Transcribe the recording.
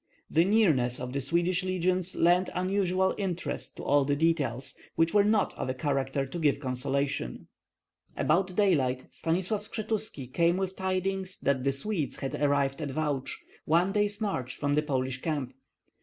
The nearness of the Swedish legions lent unusual interest to all the details, which were not of a character to give consolation. About daylight Stanislav Skshetuski came with tidings that the Swedes had arrived at Valch, one day's march from the Polish camp.